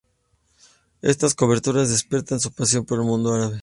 Estas coberturas despiertan su pasión por el Mundo Árabe.